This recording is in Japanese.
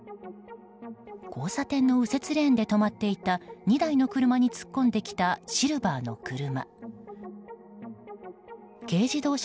交差点の右折レーンで止まっていた２台の車に突っ込んできたシルバーの車。